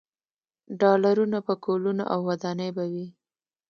ډالرونه، پکولونه او ودانۍ به وي.